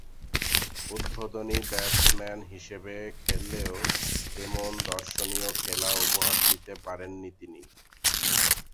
উদ্বোধনী ব্যাটসম্যান হিসেবে খেললেও তেমন দর্শনীয় খেলা উপহার দিতে পারেননি তিনি।